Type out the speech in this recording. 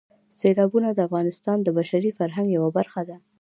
سیلابونه د افغانستان د بشري فرهنګ یوه برخه ده.